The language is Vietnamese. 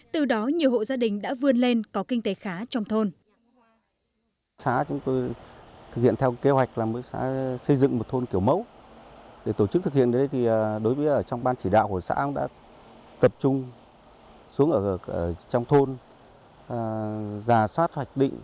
từ đó nhiều hộ gia đình đã vươn lên có kinh tế khá trong thôn